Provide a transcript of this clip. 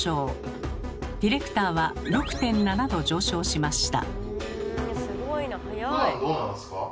ディレクターは６．７℃上昇しました。